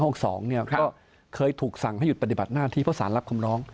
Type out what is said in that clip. ก็เคยถูกสั่งให้หยุดปฏิบัติหน้าที่เพราะสารรับคำร้อง